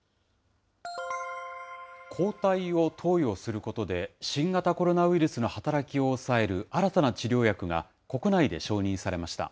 抗体を投与することで、新型コロナウイルスの働きを抑える新たな治療薬が国内で承認されました。